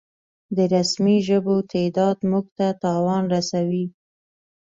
د رسمي ژبو تعداد مونږ ته تاوان رسوي